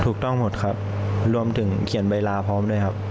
ถูกต้องหมดครับรวมถึงเขียนเวลาพร้อมด้วยครับ